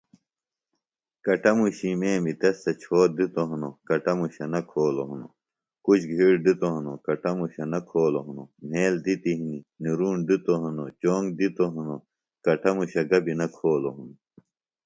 کٹموشی میمی تس تھےۡ چھوت دِتوۡ ہنوۡ، کٹموشہ نہ کھولوۡ ہنوۡ، کُچ گِھیڑ دِتوۡ ہنوۡ، کٹموشہ نہ کھولوۡ ہنوۡ، مھیل دِتیۡ ہنیۡ، نرُوݨ دِتوۡ ہنوۡ، چونگ دِتوۡ ہنوۡ، کٹموشہ گبیۡ نہ کھولوۡ ہنوۡ